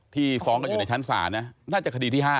ที่ฟ้องกันอยู่ในชั้นศาลนะน่าจะคดีที่๕